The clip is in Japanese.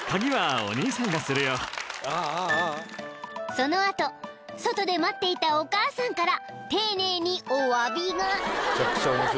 ［その後外で待っていたお母さんから丁寧におわびが］